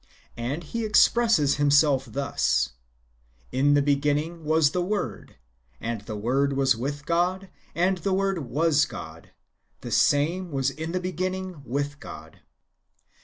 And he expresses himself thus :" In the beo; innino; was the Word, and the Word was with God, and the Word was God ; the same was in the beoinninir with God."